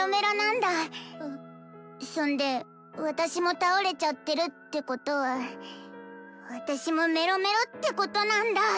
そんで私も倒れちゃってるってことは私もメロメロってことなんだ！